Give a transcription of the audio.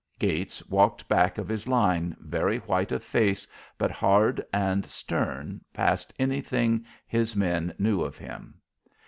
Gates walked back of his line, very white of face, but hard and stern past anything his men knew of him.